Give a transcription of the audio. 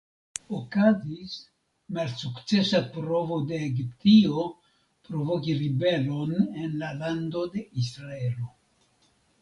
Okazis malsukcesa provo de Egiptio provoki ribelon en la Lando de Israelo.